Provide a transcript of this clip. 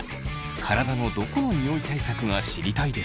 体のどこのニオイ対策が知りたいですか？